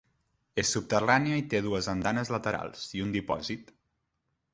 És subterrània i té dues andanes laterals i un dipòsit.